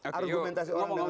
argumentasi orang lain